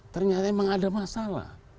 ternyata memang ada masalah